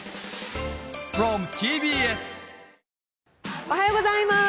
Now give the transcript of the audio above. おはようございます。